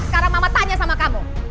sekarang mama tanya sama kamu